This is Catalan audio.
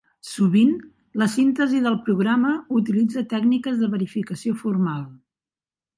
Sovint, la síntesi del programa utilitza tècniques de verificació formal.